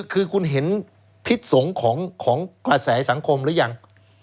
คือคุณเห็นพิษสงฆ์ของกระแสสังคมหรือยัง